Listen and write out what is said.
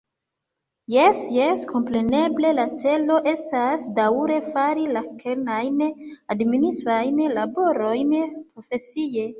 Jes, jes, kompreneble la celo estas daŭre fari la kernajn administrajn laborojn profesie.